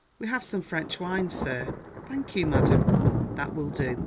"We have some French wine, sir." "Thank you, ma'am; that will do."